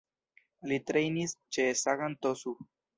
Li trejnis ĉe Sagan Tosu.